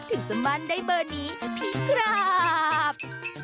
ถึงจะมั่นได้เบอร์นี้พี่ครับ